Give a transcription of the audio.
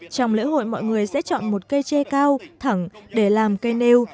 trong lễ hội mọi người sẽ chọn một cây tre cao thẳng để làm cây nêu